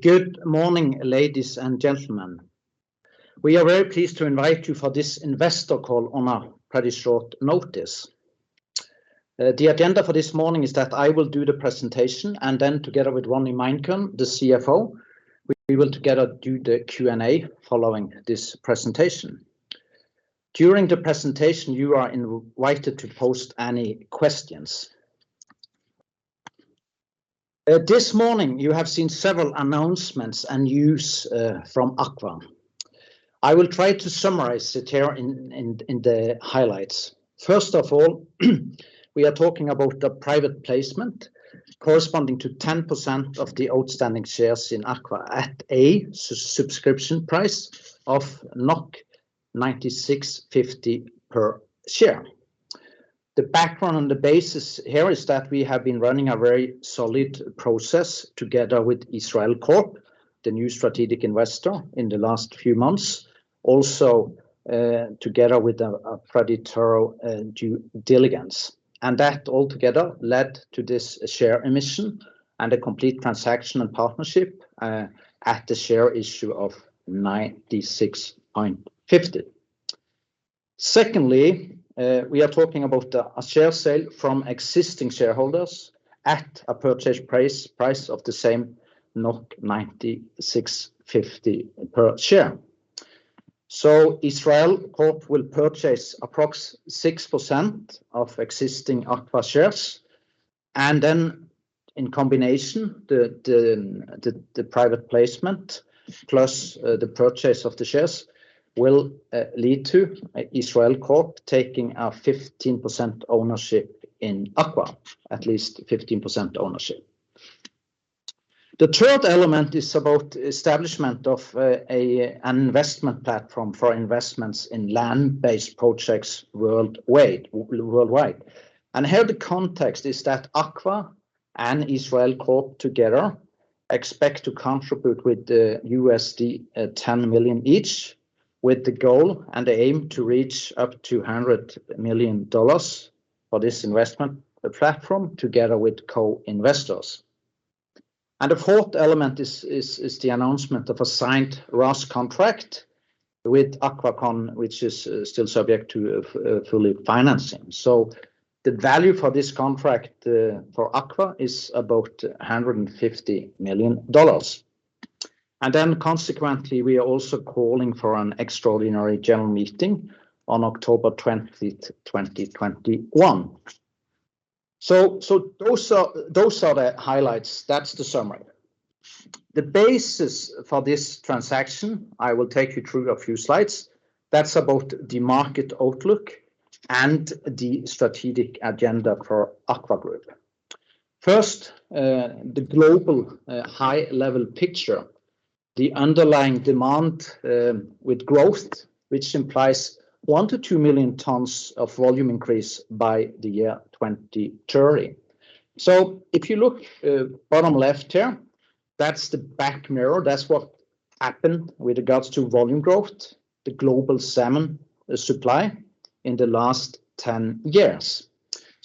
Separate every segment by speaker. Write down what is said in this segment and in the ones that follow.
Speaker 1: Good morning, ladies and gentlemen. We are very pleased to invite you for this investor call on a pretty short notice. The agenda for this morning is that I will do the presentation and then together with Ronny Meinkøhn, the CFO, we will together do the Q&A following this presentation. During the presentation, you are invited to post any questions. This morning, you have seen several announcements and news from AKVA. I will try to summarize it here in the highlights. First of all, we are talking about the private placement corresponding to 10% of the outstanding shares in AKVA at a subscription price of 96.50 per share. The background on the basis here is that we have been running a very solid process together with Israel Corp, the new strategic investor, in the last few months, also together with a preparatory due diligence. That altogether led to this share emission and a complete transactional partnership at the share issue of 96.50. Secondly, we are talking about a share sale from existing shareholders at a purchase price of the same 96.50 per share. Israel Corp will purchase approx 6% of existing AKVA shares, and then in combination, the private placement plus the purchase of the shares will lead to Israel Corp taking a 15% ownership in AKVA, at least 15% ownership. The third element is about establishment of an investment platform for investments in land-based projects worldwide. Here the context is that AKVA and Israel Corp together expect to contribute with $10 million each, with the goal and the aim to reach up to $100 million for this investment platform together with co-investors. The fourth element is the announcement of a signed RAS contract with AquaCon, which is still subject to full financing. The value for this contract for AKVA is about $150 million. Consequently, we are also calling for an extraordinary general meeting on October 20th, 2021. Those are the highlights. That's the summary. The basis for this transaction, I will take you through a few slides. That's about the market outlook and the strategic agenda for AKVA Group. First, the global high-level picture, the underlying demand with growth, which implies 1 million-2 million tons of volume increase by the year 2030. If you look bottom left here, that's the back mirror. That's what happened with regards to volume growth, the global salmon supply in the last 10 years.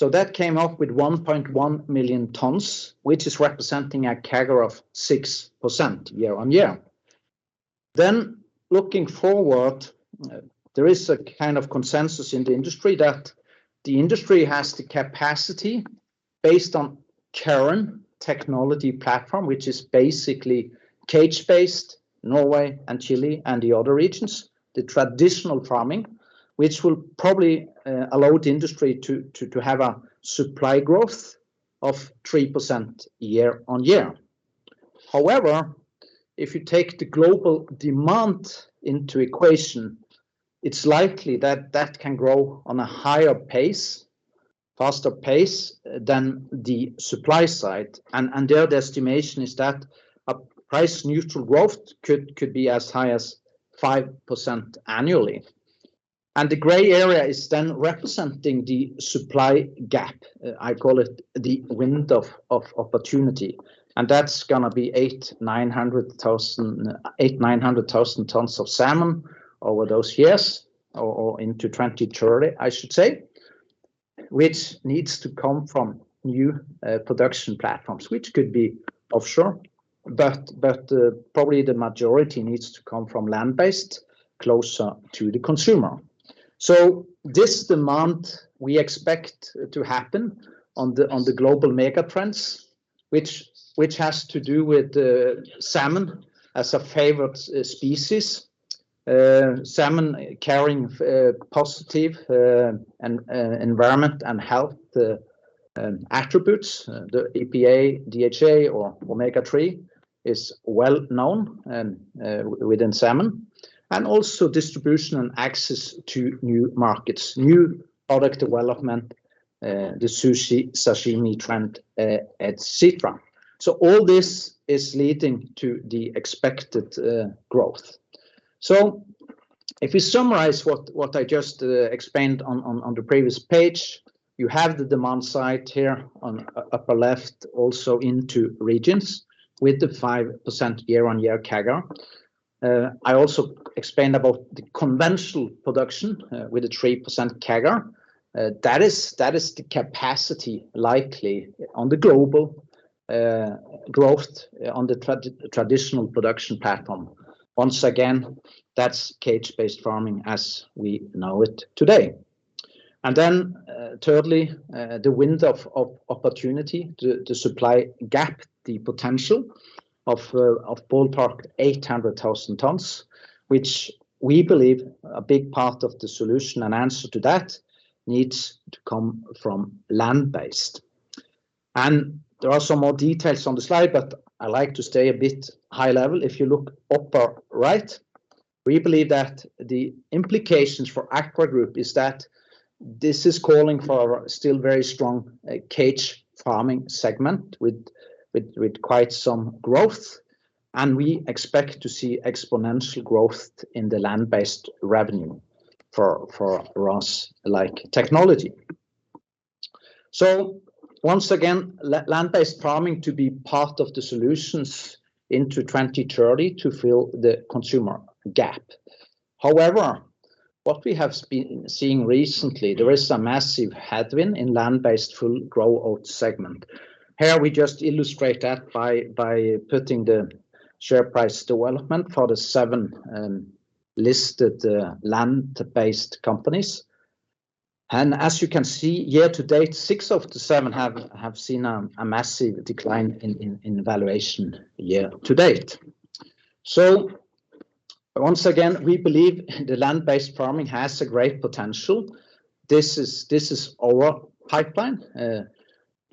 Speaker 1: That came up with 1.1 million tons, which is representing a CAGR of 6% year-on-year. Looking forward, there is a kind of consensus in the industry that the industry has the capacity based on current technology platform, which is basically cage-based, Norway and Chile and the other regions, the traditional farming, which will probably allow the industry to have a supply growth of 3% year-on-year. However, if you take the global demand into equation, it's likely that that can grow on a higher pace, faster pace than the supply side. There the estimation is that a price neutral growth could be as high as 5% annually. The gray area is then representing the supply gap. I call it the wind of opportunity. That's going to be 800,000, 900,000 tons of salmon over those years or into 2030, I should say, which needs to come from new production platforms, which could be offshore, but probably the majority needs to come from land-based closer to the consumer. This demand we expect to happen on the global mega trends, which has to do with salmon as a favorite species. Salmon carrying positive environment and health attributes, the EPA, DHA or Omega-3 is well known within salmon. Also distribution and access to new markets, new product development, the sushi, sashimi trend, et cetera. All this is leading to the expected growth. If we summarize what I just explained on the previous page, you have the demand side here on upper left, also into regions with the 5% year-on-year CAGR. I also explained about the conventional production with a 3% CAGR. That is the capacity likely on the global growth on the traditional production platform. Once again, that's cage-based farming as we know it today. Thirdly, the wind of opportunity, the supply gap, the potential of ballpark 800,000 tons, which we believe a big part of the solution and answer to that needs to come from land-based. There are some more details on the slide, but I like to stay a bit high level. If you look upper right, we believe that the implications for AKVA Group is that this is calling for still very strong cage farming segment with quite some growth, and we expect to see exponential growth in the land-based revenue for RAS-like technology. Once again, land-based farming to be part of the solutions into 2030 to fill the consumer gap. However, what we have been seeing recently, there is a massive headwind in land-based full grow-out segment. Here we just illustrate that by putting the share price development for the seven listed land-based companies. As you can see year to date, six of the seven have seen a massive decline in valuation year to date. Once again, we believe the land-based farming has a great potential. This is our pipeline.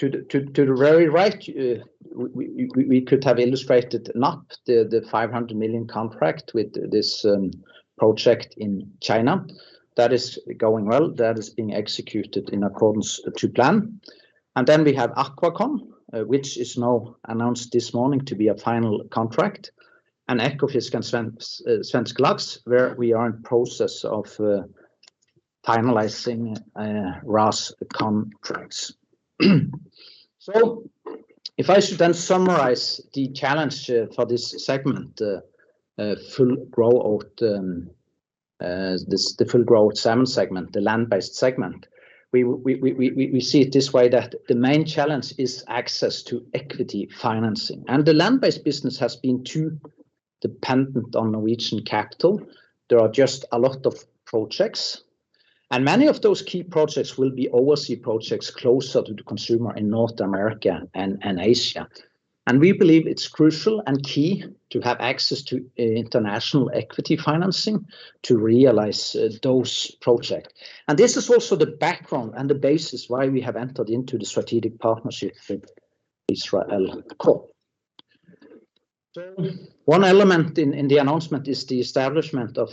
Speaker 1: To the very right, we could have illustrated not the 500 million contract with this project in China. That is going well. That is being executed in accordance to plan. We have AquaCon, which is now announced this morning to be a final contract. Ecofisk and Svensk Lax, where we are in process of finalizing RAS contracts. If I should then summarize the challenge for this segment, the full grow-out salmon segment, the land-based segment, we see it this way, that the main challenge is access to equity financing. The land-based business has been too dependent on Norwegian capital. There are just a lot of projects, and many of those key projects will be overseas projects closer to the consumer in North America and Asia. We believe it's crucial and key to have access to international equity financing to realize those projects. This is also the background and the basis why we have entered into the strategic partnership with Israel Corp. One element in the announcement is the establishment of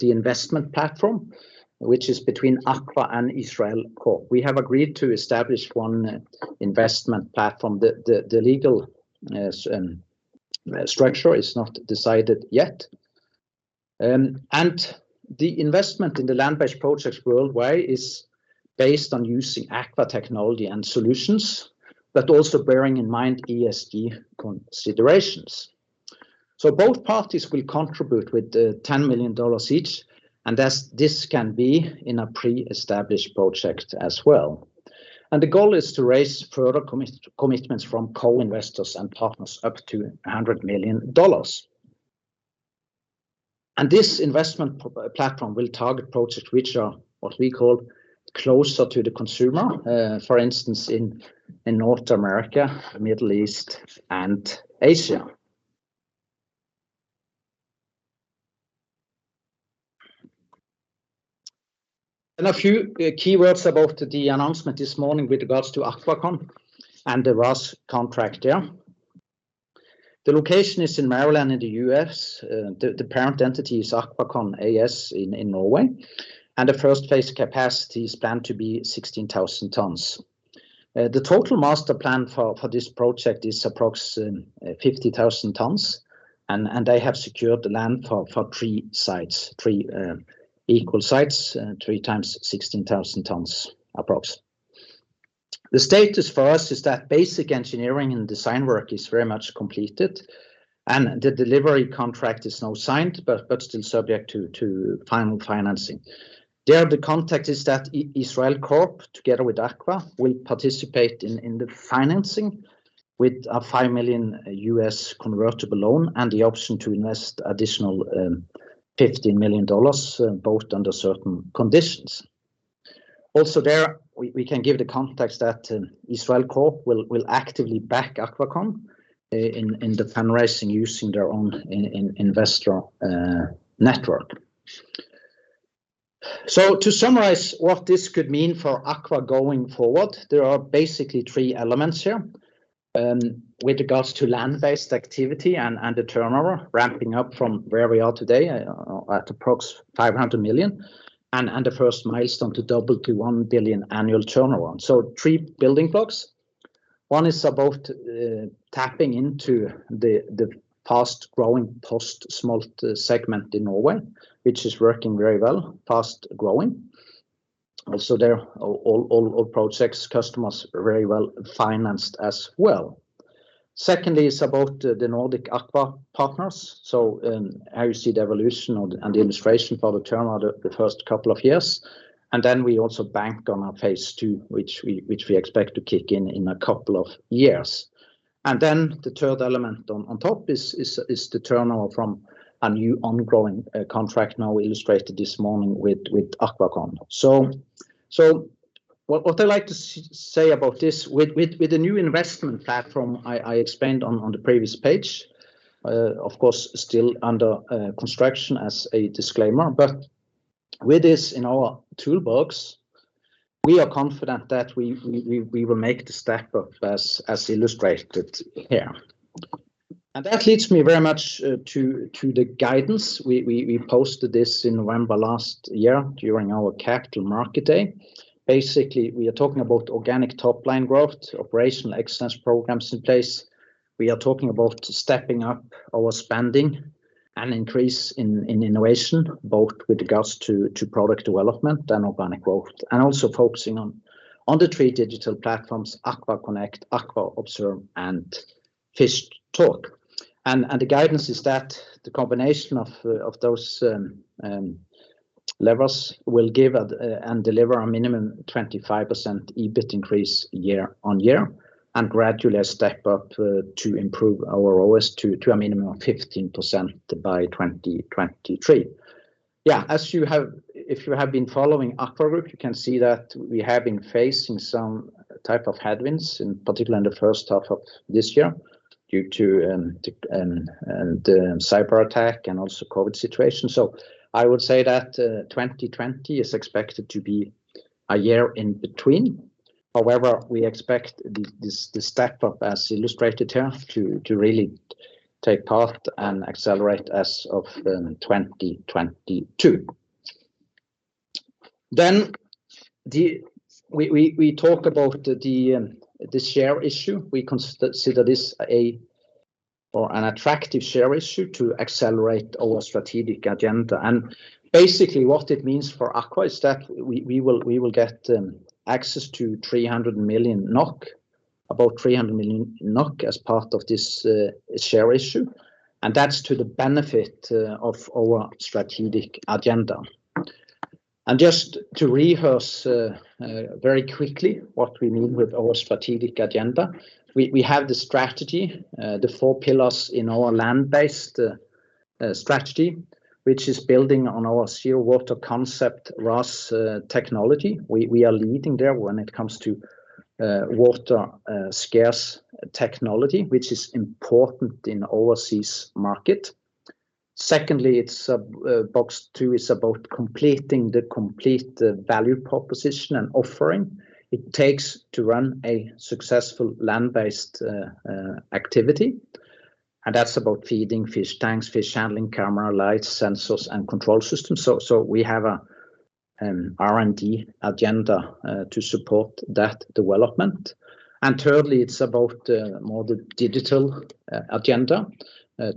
Speaker 1: the investment platform, which is between AKVA and Israel Corp. We have agreed to establish one investment platform. The legal structure is not decided yet. The investment in the land-based projects worldwide is based on using AKVA technology and solutions, but also bearing in mind ESG considerations. Both parties will contribute with $10 million each, and thus this can be in a pre-established project as well. The goal is to raise further commitments from co-investors and partners up to $100 million. This investment platform will target projects which are what we call closer to the consumer, for instance, in North America, Middle East, and Asia. A few key words about the announcement this morning with regards to AquaCon and the RAS contract there. The location is in Maryland in the U.S. The parent entity is AquaCon AS in Norway, the first phase capacity is planned to be 16,000 tons. The total master plan for this project is approximately 50,000 tons, they have secured the land for three sites, three equal sites, 3x 16,000 tons approx. The status for us is that basic engineering and design work is very much completed, the delivery contract is now signed but still subject to final financing. There, the context is that Israel Corp, together with AKVA, will participate in the financing with a $5 million convertible loan and the option to invest additional $15 million, both under certain conditions. Also there, we can give the context that Israel Corp will actively back AquaCon in the fundraising using their own investor network. To summarize what this could mean for AKVA going forward, there are basically three elements here. With regards to land-based activity and the turnover ramping up from where we are today at approx 500 million, and the first milestone to double to 1 billion annual turnover. Three building blocks. One is about tapping into the fast-growing post-smolt segment in Norway, which is working very well, fast-growing. All projects, customers are very well financed as well. Secondly, it's about the Nordic Aqua Partners. Here you see the evolution and the illustration for the turnover the first couple of years. Then we also bank on our phase II, which we expect to kick in in a couple of years. The third element on top is the turnover from a new ongoing contract now illustrated this morning with AquaCon. What I'd like to say about this, with the new investment platform I explained on the previous page, of course, still under construction as a disclaimer. With this in our toolbox, we are confident that we will make the step up as illustrated here. That leads me very much to the guidance. We posted this in November last year during our Capital Market Day. Basically, we are talking about organic top line growth, operational excellence programs in place. We are talking about stepping up our spending and increase in innovation, both with regards to product development and organic growth. Focusing on the three digital platforms, AKVA connect, AKVA observe, and AKVA fishtalk. The guidance is that the combination of those levels will give and deliver a minimum 25% EBIT increase year-over-year, and gradually a step up to improve our OS to a minimum of 15% by 2023. Yeah. If you have been following AKVA Group, you can see that we have been facing some type of headwinds, in particular in the first half of this year, due to the cyber attack and also COVID situation. I would say that 2020 is expected to be a year in between. However, we expect this step up, as illustrated here, to really take part and accelerate as of 2022. We talk about the share issue. We consider this an attractive share issue to accelerate our strategic agenda. Basically what it means for AKVA is that we will get access to 300 million NOK, about 300 million NOK as part of this share issue, and that's to the benefit of our strategic agenda. Just to rehearse very quickly what we mean with our strategic agenda. We have the strategy, the four pillars in our land-based strategy, which is building on our Zero Water Concept RAS technology. We are leading there when it comes to water scarce technology, which is important in overseas market. Secondly, box two is about completing the complete value proposition and offering it takes to run a successful land-based activity, and that's about feeding, fish tanks, fish handling, camera, lights, sensors, and control systems. We have an R&D agenda to support that development. Thirdly, it's about more the digital agenda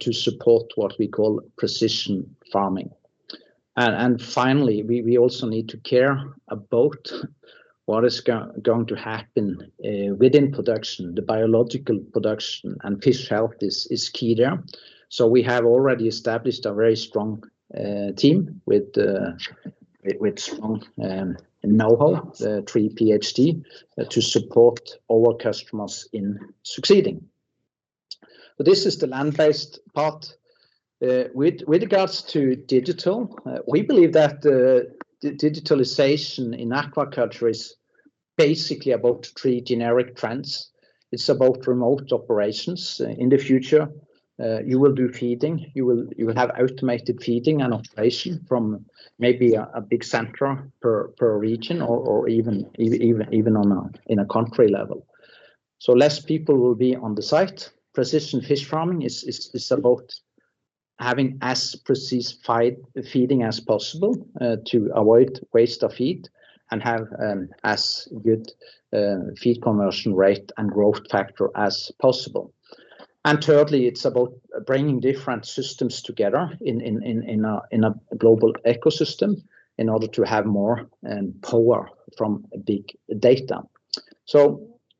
Speaker 1: to support what we call precision farming. Finally, we also need to care about what is going to happen within production. The biological production and fish health is key there. We have already established a very strong team with strong knowhow, three PhD, to support our customers in succeeding. This is the land-based part. With regards to digital, we believe that the digitalization in aquaculture is basically about three generic trends. It's about remote operations. In the future, you will do feeding, you will have automated feeding and operation from maybe a big central per region or even in a country level. Less people will be on the site. Precision Fish Farming is about having as precise feeding as possible to avoid waste of feed and have as good feed conversion rate and growth factor as possible. Thirdly, it's about bringing different systems together in a global ecosystem in order to have more power from big data.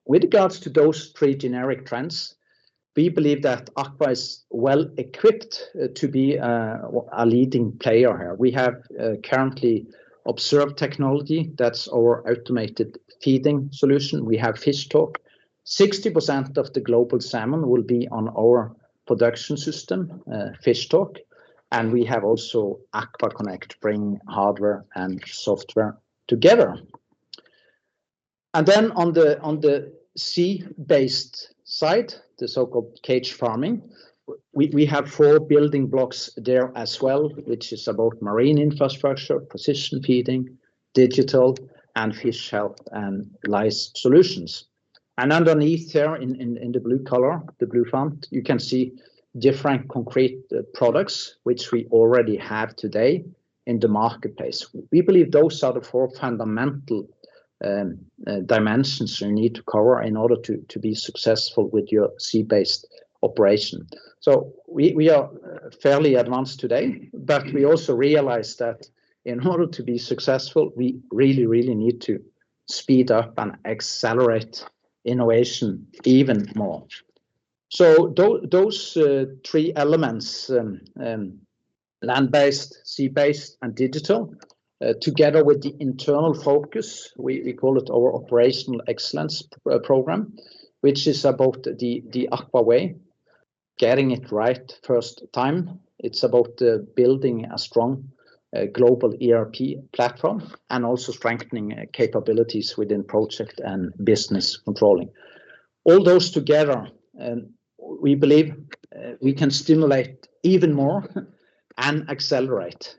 Speaker 1: With regards to those three generic trends, we believe that AKVA is well equipped to be a leading player here. We have currently AKVA observe technology, that's our automated feeding solution. We have AKVA fishtalk. 60% of the global salmon will be on our production system, AKVA fishtalk. We have also AKVA connect bringing hardware and software together. On the sea-based side, the so-called cage farming, we have four building blocks there as well, which is about marine infrastructure, precision feeding, digital, and fish health and lice solutions. Underneath there in the blue color, the blue font, you can see different concrete products which we already have today in the marketplace. We believe those are the four fundamental dimensions you need to cover in order to be successful with your sea-based operation. We are fairly advanced today, but we also realize that in order to be successful, we really need to speed up and accelerate innovation even more. Those three elements, land-based, sea-based, and digital, together with the internal focus, we call it our AKVA way operational excellence program, which is about getting it right first time. It's about building a strong global ERP platform and also strengthening capabilities within project and business controlling. All those together, we believe we can stimulate even more and accelerate.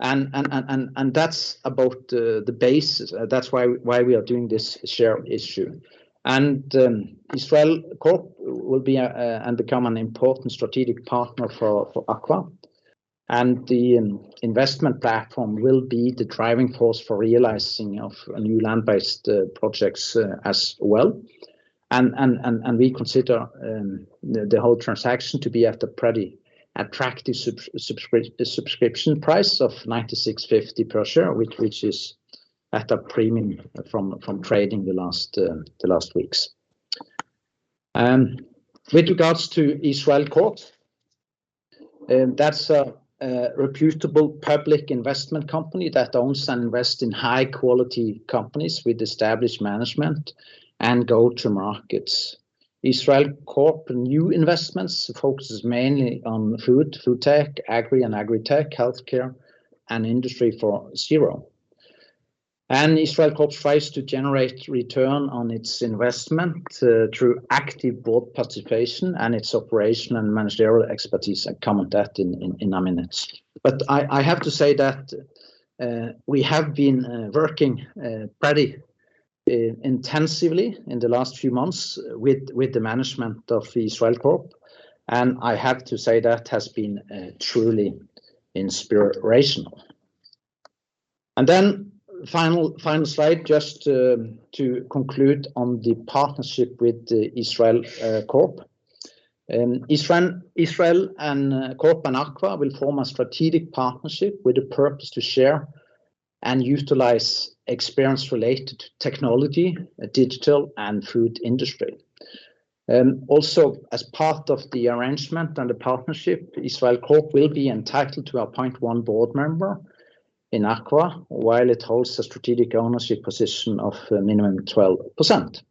Speaker 1: That's about the base. That's why we are doing this share issue. Israel Corp will be and become an important strategic partner for AKVA. The investment platform will be the driving force for realizing of new land-based projects as well. We consider the whole transaction to be at a pretty attractive subscription price of 96.50 per share, which is at a premium from trading the last weeks. With regards to Israel Corp, that is a reputable public investment company that owns and invests in high-quality companies with established management and go-to-markets. Israel Corp new investments focuses mainly on food tech, agri and agri tech, healthcare, and Industry 4.0. Israel Corp tries to generate return on its investment through active board participation and its operational and managerial expertise. I comment that in a minute. I have to say that we have been working pretty intensively in the last few months with the management of Israel Corp, and I have to say that has been truly inspirational. Final slide just to conclude on the partnership with Israel Corp. Israel Corp and AKVA will form a strategic partnership with the purpose to share and utilize experience related to technology, digital, and food industry. As part of the arrangement and the partnership, Israel Corp will be entitled to appoint one board member in AKVA, while it holds a strategic ownership position of minimum 12%.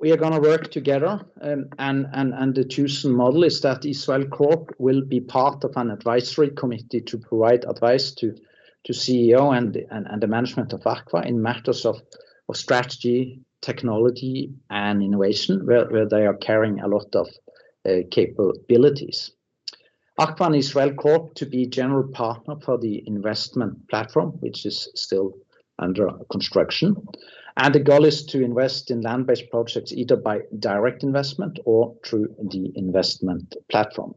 Speaker 1: We are going to work together and the chosen model is that Israel Corp will be part of an advisory committee to provide advice to CEO and the management of AKVA in matters of strategy, technology, and innovation, where they are carrying a lot of capabilities. AKVA and Israel Corp to be general partner for the investment platform, which is still under construction. The goal is to invest in land-based projects, either by direct investment or through the investment platform.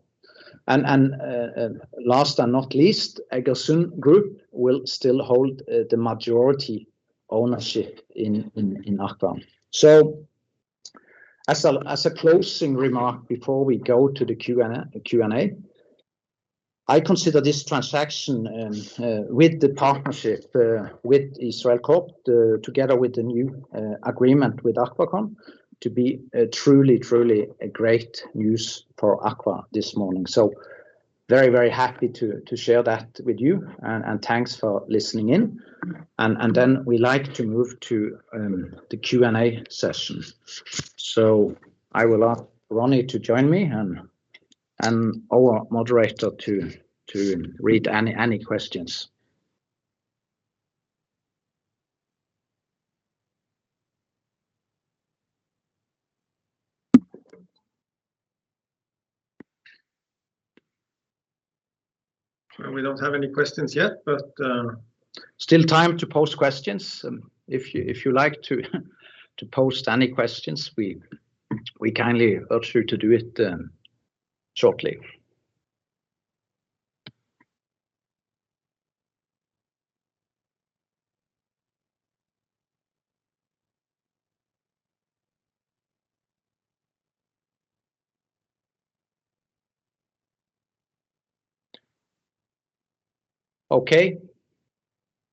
Speaker 1: Last but not least, Egersund Group will still hold the majority ownership in AKVA. As a closing remark before we go to the Q&A, I consider this transaction with the partnership with Israel Corp, together with the new agreement with AKVA Group, to be truly great news for AKVA this morning. Very happy to share that with you, and thanks for listening in. We like to move to the Q&A session. I will ask Ronny to join me and our moderator to read any questions. Well, we don't have any questions yet, but still time to post questions. If you like to post any questions, we kindly urge you to do it shortly. Okay.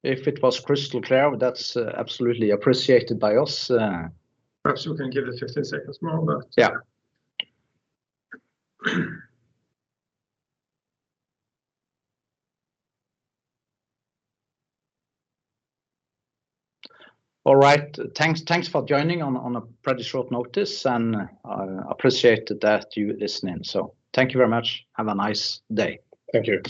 Speaker 1: If it was crystal clear, that's absolutely appreciated by us.
Speaker 2: Perhaps we can give it 15 seconds more.
Speaker 1: Yeah. All right. Thanks for joining on a pretty short notice, and I appreciate that you listened in. Thank you very much. Have a nice day.
Speaker 2: Thank you.